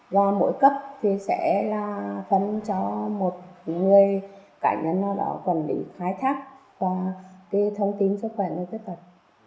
và mỗi cấp thì sẽ là phân cho một người cảnh nhân đó quản lý khai thác và kê thông tin cho quản lý khuyết tật